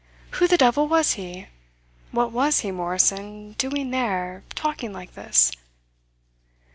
Who the devil was he? What was he, Morrison, doing there, talking like this?